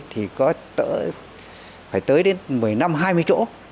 thì có phải tới đến một mươi năm hai mươi chỗ